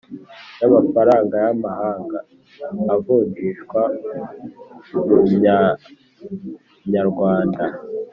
ry amafaranga y amahanga avunjishwa mumyanyarwanda